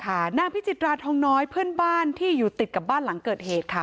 นางพิจิตราทองน้อยเพื่อนบ้านที่อยู่ติดกับบ้านหลังเกิดเหตุค่ะ